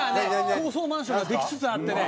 高層マンションができつつあってね。